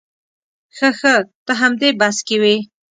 ښه ښه ته همدې بس کې وې.